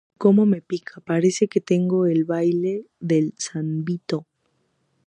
Cómo me pica. Parece que tenga el baile de San Vito